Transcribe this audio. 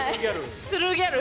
トゥルーギャル。